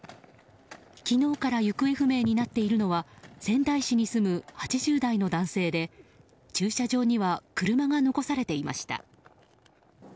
昨日から行方不明になっているのは仙台市に住む８０代の男性で駐車場には車が残されていました。